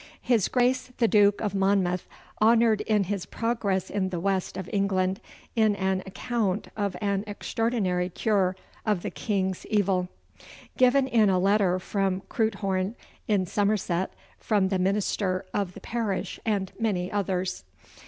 'His Grace the Duke of Monmouth honoured in his progress in the West of England, in an account of an extraordinary cure of the king's evil. 'Given in a letter from Crewkhorn, in Somerset, from the minister of the parish and many others.